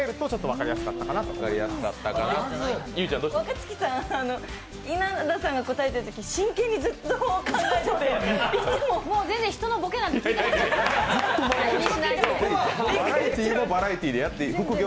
若槻さん、稲田さんが答えてるとき真剣にずっと考えてて全然人のボケなんて聞いてません。